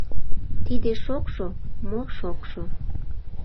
— Тиде шокшо — мо шокшо!